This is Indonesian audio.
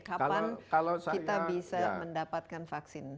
kapan kita bisa mendapatkan vaksin